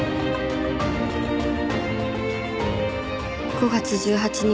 「５月１８日」